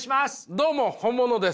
どうも本物です！